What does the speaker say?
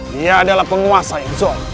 dia adalah penguasa yang zul